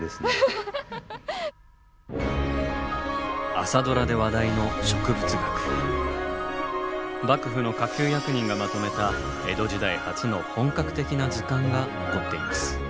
「朝ドラ」で話題の幕府の下級役人がまとめた江戸時代初の本格的な図鑑が残っています。